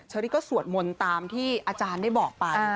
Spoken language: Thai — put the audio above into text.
อรี่ก็สวดมนต์ตามที่อาจารย์ได้บอกไป